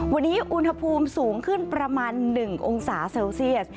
วันนี้อุณหภูมิสูงขึ้นประมาณ๑องศาเซลเซียส